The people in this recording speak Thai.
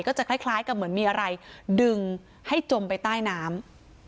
จะคล้ายกับเหมือนมีอะไรดึงให้จมไปใต้น้ำ